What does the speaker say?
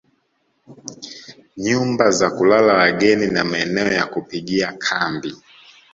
Nyumba za kulala wageni na maeneo ya kupigia kambi